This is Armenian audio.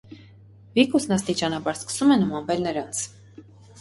Վիկուսն աստիճանաբար սկսում է նմանվել նրանց։